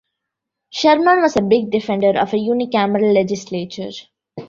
Sherman was a big defender of a unicameral legislature.